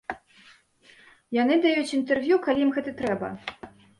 Яны даюць інтэрв'ю, калі ім гэта трэба.